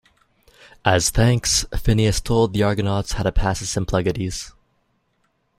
As thanks, Phineas told the Argonauts how to pass the Symplegades.